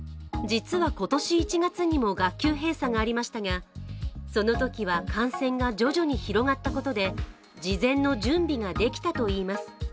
実は今年１月にも学級閉鎖がありましたが、そのときは感染が徐々に広がったことで事前の準備ができたといいます。